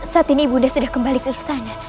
saat ini ibu nda sudah kembali ke istana